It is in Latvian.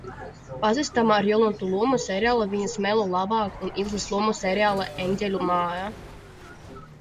Pazīstama ar Jolantas lomu seriālā Viņas melo labāk un Ilzes lomu seriālā Eņģeļu māja.